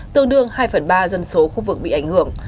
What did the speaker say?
tương đương hai phần ba dân số khu vực bị ảnh hưởng